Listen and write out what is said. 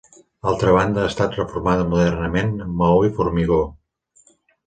L'altra banda ha estat reformada modernament amb maó i formigó.